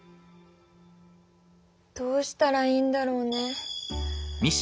どうしたらいいんだろうね。